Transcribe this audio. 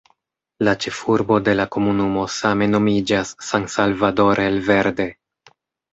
La ĉefurbo de la komunumo same nomiĝas "San Salvador el Verde".